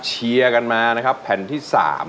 เชียร์กันมานะครับแผ่นที่๓